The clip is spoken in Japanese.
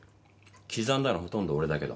刻んだのほとんど俺だけど。